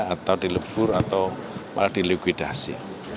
atau dilebur atau dilukidasi